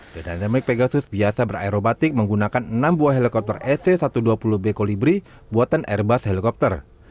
the dynamic pegasus biasa beraerobatik menggunakan enam buah helikopter sc satu ratus dua puluh b kolibri buatan airbus helikopter